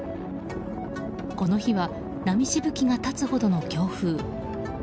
この日は波しぶきが立つほどの強風。